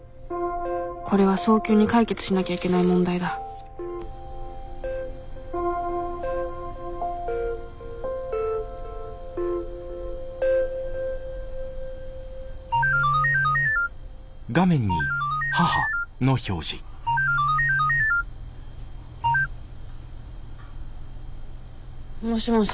これは早急に解決しなきゃいけない問題だもしもし。